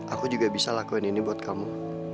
aku juga bisa lakuin ini buat kamu